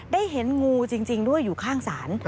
ได้เห็นงูจริงด้วยอยู่ข้างศาล